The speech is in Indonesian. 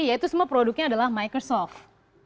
ya itu semua produknya adalah microsoft